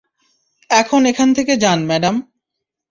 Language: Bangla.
এখন এখান থেকে যান, ম্যাডাম।